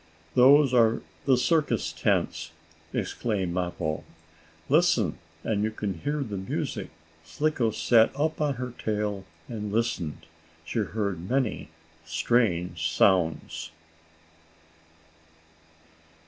"Those are the circus tents," exclaimed Mappo. "Listen and you can hear the music." Slicko sat up on her tail and listened. She heard many strange sounds.